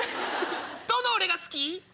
どの俺が好き？